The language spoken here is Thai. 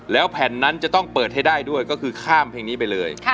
แล้วแผ่นนั้นจะต้องเปิดให้ได้ด้วยก็คือข้ามเพลงนี้ไปเลย